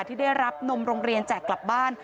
ที่ได้รับนมโรงเรียนแจกกลับบ้าน